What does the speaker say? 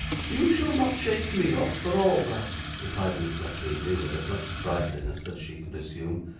'You shall not shake me off, for all that,' replied Miss La Creevy, with as much sprightliness as she could assume.